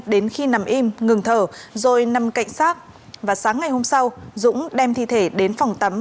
đến khi nằm im ngừng thở rồi nằm cạnh sát và sáng ngày hôm sau dũng đem thi thể đến phòng tắm